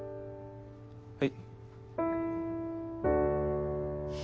はい。